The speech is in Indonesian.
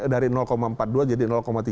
dari empat puluh dua jadi tiga puluh delapan